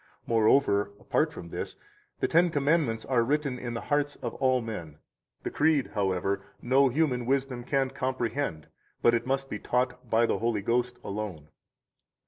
Moreover, apart from this, the Ten Commandments are written in the hearts of all men; the Creed, however, no human wisdom can comprehend, but it must be taught by the Holy Ghost alone.